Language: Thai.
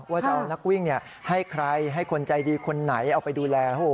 ว่าจะเอานักวิ่งให้ใครให้คนใจดีคนไหนเอาไปดูแล